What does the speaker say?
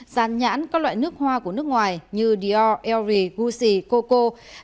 gián nhãn các loại nước hoa của nước ngoài như dior elri gucci coco